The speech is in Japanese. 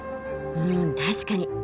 うん確かに！